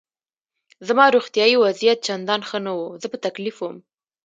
زما روغتیایي وضعیت چندان ښه نه و، زه په تکلیف وم.